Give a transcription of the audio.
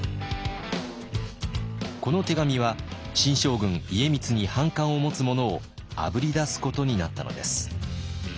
この手紙は新将軍家光に反感を持つ者をあぶり出すことになったのです。